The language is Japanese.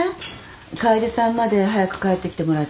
楓さんまで早く帰ってきてもらっちゃって。